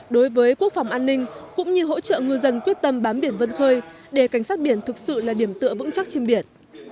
đối với quốc phòng an ninh cũng như hỗ trợ ngư dân quyết tâm bám biển vân khơi để cảnh sát biển thực sự là điểm tựa vững chắc trên biển